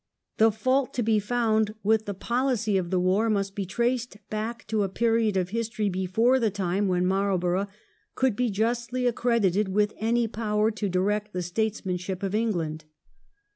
The fault to be found with the policy of the war must be traced back to a period of history before the time when Marlborough could be justly accredited with any power to direct the statesmanship of England.